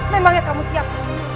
memangnya kamu siap